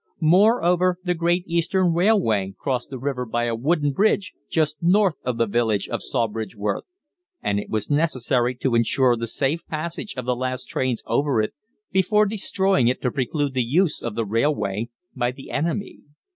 Moreover, the Great Eastern Railway crossed the river by a wooden bridge just north of the village of Sawbridgeworth, and it was necessary to ensure the safe passage of the last trains over it before destroying it to preclude the use of the railway by the enemy.